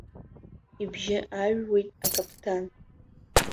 Ибжьы ааҩуеит акаԥдан.